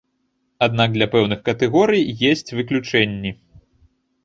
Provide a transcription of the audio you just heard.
Аднак для пэўных катэгорый есць выключэнні.